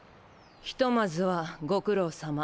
ひとまずはご苦労さま。